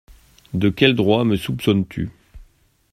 De quel droit me soupçonnes-tu ?